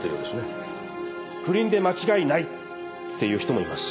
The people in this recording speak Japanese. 不倫で間違いないって言う人もいます。